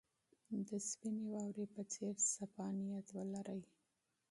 د سپینې واورې په څېر صفا نیت ولرئ.